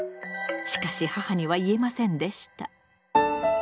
しかし母には言えませんでした。